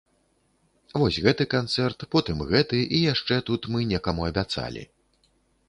Вось гэты канцэрт, потым гэты, і яшчэ тут мы некаму абяцалі.